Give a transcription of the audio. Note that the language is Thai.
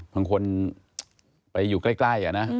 บางคนไปอยู่ใกล้นะ